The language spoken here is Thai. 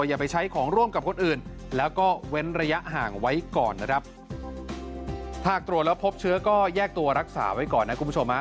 อย่าไปใช้ของร่วมกับคนอื่นแล้วก็เว้นระยะห่างไว้ก่อนนะครับหากตรวจแล้วพบเชื้อก็แยกตัวรักษาไว้ก่อนนะคุณผู้ชมฮะ